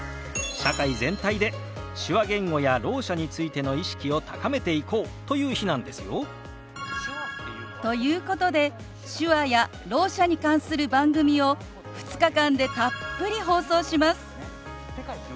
社会全体で手話言語やろう者についての意識を高めていこうという日なんですよ。ということで手話やろう者に関する番組を２日間でたっぷり放送します。